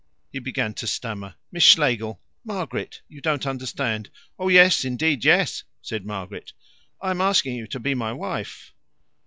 He began to stammer. "Miss Schlegel Margaret you don't understand." "Oh yes! Indeed, yes!" said Margaret. "I am asking you to be my wife."